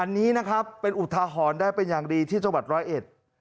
อันนี้นะครับเป็นอุทาหรณ์ได้เป็นอย่างดีที่จังหวัดร้อยเอ็ด